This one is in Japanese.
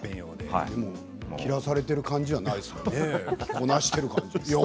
着られている感じじゃないですよね。